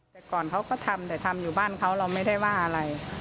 แต่ก่อนเขาก็ทำแต่ทำอยู่บ้านเขาเราไม่ได้ว่าอะไร